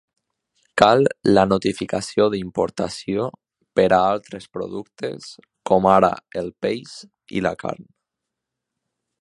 Cal la notificació d'importació per a altres productes com ara el peix i la carn.